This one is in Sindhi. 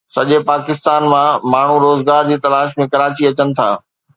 سڄي پاڪستان مان ماڻهو روزگار جي تلاش ۾ ڪراچي اچن ٿا